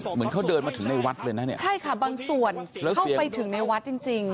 เหมือนเขาเดินมาถึงในวัดเลยนะเนี่ยใช่ค่ะบางส่วนเข้าไปถึงในวัดจริงจริง